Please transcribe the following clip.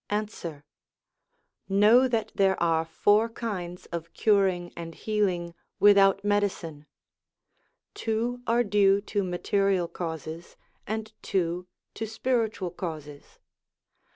Answer. Know that there are four kinds of curing and healing without medicine. Two are due to material causes, and two to spiritual causes.